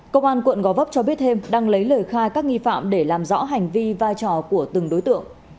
công an quận gò vấp cho biết thêm đang lấy lời khai các nghi phạm để làm rõ hành vi vai trò của từng đối tượng